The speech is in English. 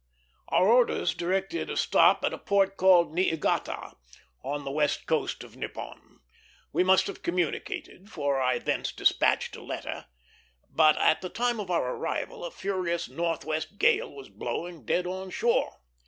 Our orders directed a stop at a port called Niigata, on the west coast of Nippon. We must have communicated, for I thence despatched a letter; but at the time of our arrival a furious northwest gale was blowing, dead on shore.